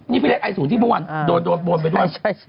นี่พี่เล็กไอศูนย์ที่เมื่อวานโดนปวนไปด้วย